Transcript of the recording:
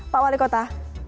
pak wali kota